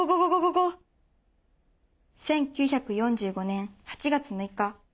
「１９４５年８月６日」。